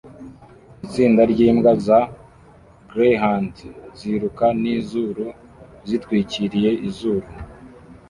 Itsinda ryimbwa za gryhound ziruka nizuru zitwikiriye izuru